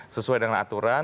sesuai dengan aturan